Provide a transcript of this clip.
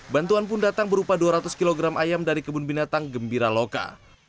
bantuan pun datang berupa dua ratus kg ayam dari kebun binatang gembira loka